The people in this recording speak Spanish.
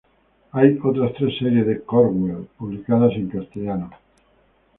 Hay otras tres series de Cornwell publicadas en castellano.